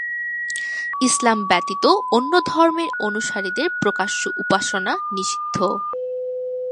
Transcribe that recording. ইসলাম ব্যতীত অন্য ধর্মের অনুসারীদের প্রকাশ্য উপাসনা নিষিদ্ধ।